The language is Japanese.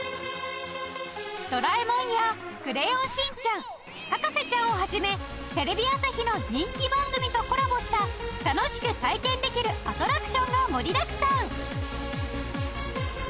『ドラえもん』や『クレヨンしんちゃん』『博士ちゃん』を始めテレビ朝日の人気番組とコラボした楽しく体験できるアトラクションが盛りだくさん！